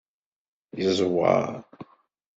Yeẓweṛ.